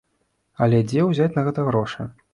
Але дзе ўзяць на гэта грошы?